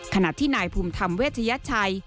ขณะที่นายภูมิธรรมเวชยชัย